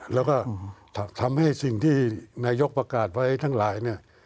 แล้วก็ทำให้สิ่งที่นายกประกาศไว้ทั้งหลายเนี่ย